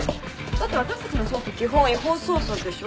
だって私たちの捜査基本違法捜査でしょ？